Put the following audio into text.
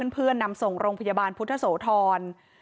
เพื่อนนำส่งโรงพยาบาลพุทธโสธร